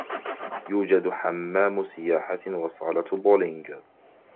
يوجد حمام سياحة وصالة بولينج.